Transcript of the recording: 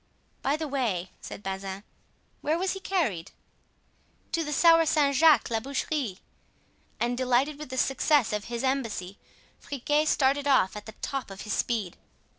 "By the way," said Bazin, "where was he carried?" "To the tower Saint Jacques la Boucherie;" and delighted with the success of his embassy, Friquet started off at the top of his speed.